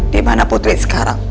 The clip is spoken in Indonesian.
dimana putri sekarang